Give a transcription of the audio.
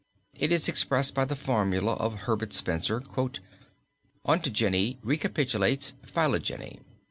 It is expressed by the formula of Herbert Spencer, "Ontogeny recapitulates phylogeny."